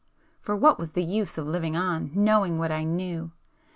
For what was the use of living on,—knowing what I knew!